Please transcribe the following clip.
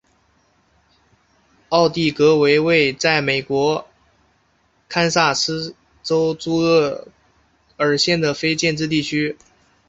奥蒂戈为位在美国堪萨斯州朱厄尔县的非建制地区。